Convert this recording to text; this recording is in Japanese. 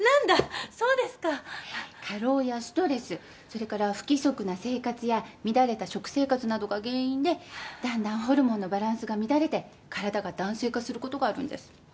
それから不規則な生活や乱れた食生活などが原因でだんだんホルモンのバランスが乱れて体が男性化することがあるんです。